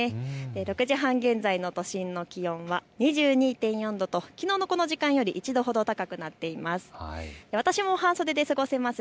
６時半現在の都心の気温は２２．４度ときのうのこの時間より１度ほど高くなっています。